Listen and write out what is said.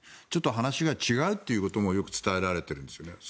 ちょっと話が違うということもよく伝えられているんですよね。